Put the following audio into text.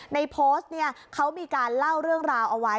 ในโพสต์เนี่ยเขามีการเล่าเรื่องราวเอาไว้